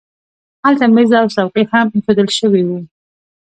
هلته مېز او څوکۍ هم اېښودل شوي وو